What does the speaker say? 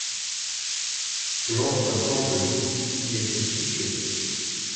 L'ancien temple bouddhiste y était situé.